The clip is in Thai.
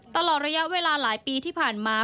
ตลอดระยะเวลาหลายปีที่ผ่านมา